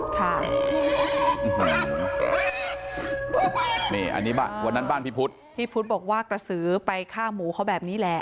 ค่ะนี่อันนี้บ้านวันนั้นบ้านพี่พุทธพี่พุทธบอกว่ากระสือไปฆ่าหมูเขาแบบนี้แหละ